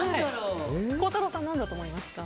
孝太郎さん、何だと思いますか？